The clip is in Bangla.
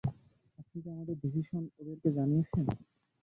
আপনি কি আপনার ডিসিশন ওদেরকে জানিয়েছেন?